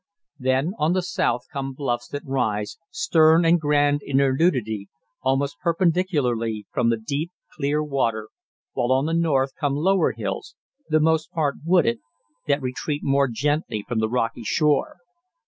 Then on the south come bluffs that rise, stern and grand in their nudity, almost perpendicularly from the deep, clear water, while on the north come lower hills, the most part wooded, that retreat more gently from the rocky shore.